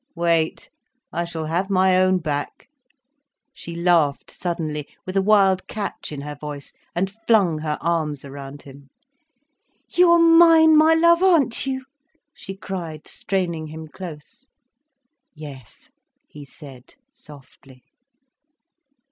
"Wait! I shall have my own back." She laughed suddenly, with a wild catch in her voice, and flung her arms around him. "You are mine, my love, aren't you?" she cried straining him close. "Yes," he said, softly.